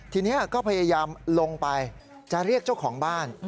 ทีนี้ก็พยายามลงไปจะเรียกเจ้าของบ้าน